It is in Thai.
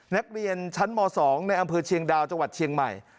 นักเรียนชั้นม๒ในอำเภอเชียงดาวจังหวัดเชียงใหม่